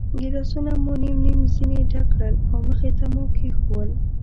ګیلاسونه مو نیم نیم ځنې ډک کړل او مخې ته مو کېښوول.